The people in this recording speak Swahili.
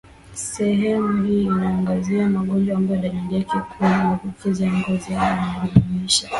Sehemu hii inaangazia magonjwa ambayo dalili yake kuu ni maambukizi ya ngozi Haya yanajumuisha